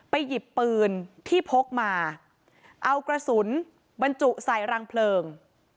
หยิบปืนที่พกมาเอากระสุนบรรจุใส่รังเพลิง